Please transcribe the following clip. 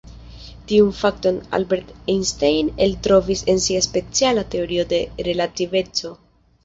Tiun fakton Albert Einstein eltrovis en sia speciala teorio de relativeco.